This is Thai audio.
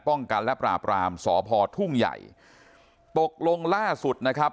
กันและปราบรามสพทุ่งใหญ่ตกลงล่าสุดนะครับ